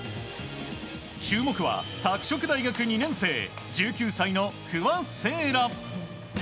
注目は拓殖大学２年生、１９歳の不破聖衣来。